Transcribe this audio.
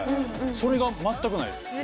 それが全くないです